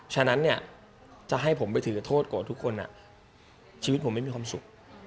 ฉะนั้นเนี่ยจะให้ผมไปถือโทษโกรธทุกคนชีวิตผมไม่มีความสุข